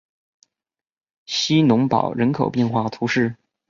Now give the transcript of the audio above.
希农堡人口变化图示